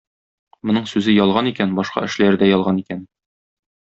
Моның сүзе ялган икән, башка эшләре дә ялган икән.